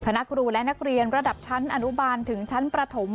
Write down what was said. คณะครูและนักเรียนระดับชั้นอนุบาลถึงชั้นประถม